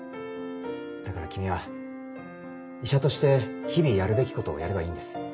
だから君は医者として日々やるべき事をやればいいんです。